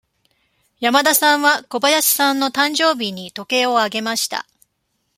山田さんは小林さんの誕生日に時計をあげました。